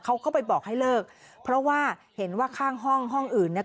เขาก็ไปบอกให้เลิกเพราะว่าเห็นว่าข้างห้องห้องอื่นเนี่ย